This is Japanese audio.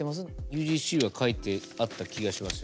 ＵＧＣは書いてあった気がします。